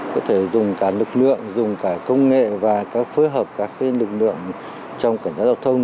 có thể dùng cả lực lượng dùng cả công nghệ và phối hợp các lực lượng trong cảnh sát giao thông